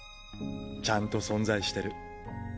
ちゃんと存在してる。